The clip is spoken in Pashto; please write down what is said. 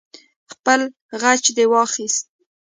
خپل غچ دې واخست.